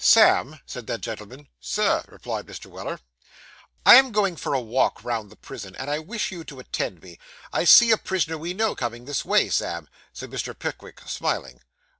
'Sam,' said that gentleman. 'Sir,' replied Mr. Weller. 'I am going for a walk round the prison, and I wish you to attend me. I see a prisoner we know coming this way, Sam,' said Mr. Pickwick, smiling.